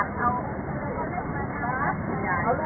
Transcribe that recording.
สวัสดีครับ